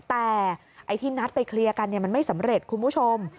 แต่ไอ้ที่นัดไปเคลียร์กันมันไม่สำเร็จคุณผู้ชม